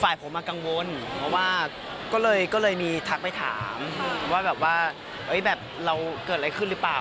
ฝ่ายผมกังวลเพราะว่าก็เลยมีทักไปถามว่าแบบว่าแบบเราเกิดอะไรขึ้นหรือเปล่า